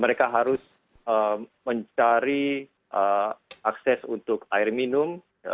mereka harus mencari akses untuk air minum